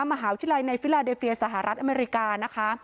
มหาวิทยาลัยในฟิลาเดเฟียสหรัฐอเมริกานะคะ